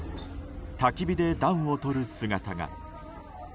たき火で暖をとる姿が。